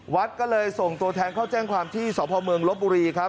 วัดก็เลยส่งตัวแทนเข้าแจ้งความที่สพเมืองลบบุรีครับ